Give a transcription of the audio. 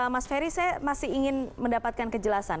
mas ferry saya masih ingin mendapatkan kejelasan